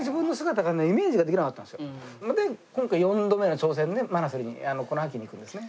今回４度目の挑戦でマナスルにこの秋に行くんですね。